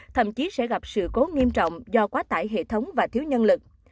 thậm chí sẽ gặp sự cố nghiêm trọng do quá tải hệ thống và thiếu nhân lực